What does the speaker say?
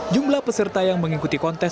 jumlah peserta yang mengikuti kontes